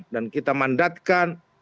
dan kita mandatkan